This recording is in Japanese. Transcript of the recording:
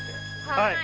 はい。